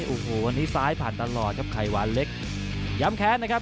โอ้โหวันนี้ซ้ายผ่านตลอดครับไข่หวานเล็กย้ำแค้นนะครับ